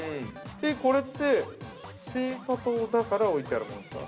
◆これって、青果棟だから置いてあるものですか。